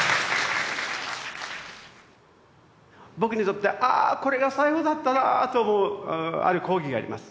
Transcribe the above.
僕にとってああこれが最後だったなぁと思うある講義があります。